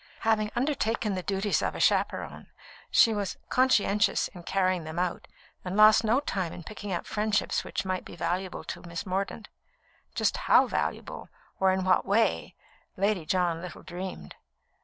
Having undertaken the duties of a chaperon, she was conscientious in carrying them out, and lost no time in picking up old friendships which might be valuable to Miss Mordaunt just how valuable, or in what way, Lady John little dreamed.